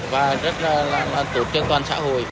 và rất là tốt cho toàn xã hội